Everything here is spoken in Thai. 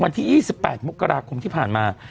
วันที่๒๘มกราคมที่ผ่านมา